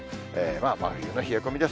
まあ真冬の冷え込みです。